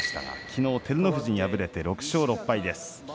きのう照ノ富士に敗れて６勝６敗です。